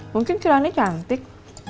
mungkin kirani cantik